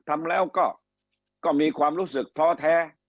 ทำแล้วก็มีความรู้สึกท้อแท้